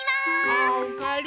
ああおかえり。